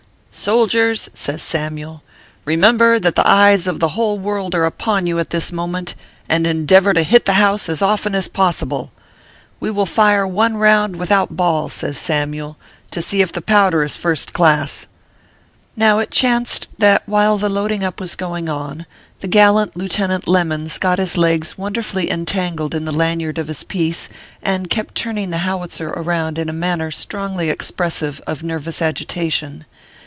" Soldiers/ says Samyule, " remember that the eyes of the whole world are upon you at this moment, and endeavor to hit the house as often as possible. We will fire one round without ball/ says Samyule, " to see if the powder is first class." Now it chanced that while the loading up was going on, the gallant Lieutenant Lemons got his legs wonderfully entangled in the lanyard of his piece, and kept turning the howitzer around in a manner strongly expressive of nervous agitation.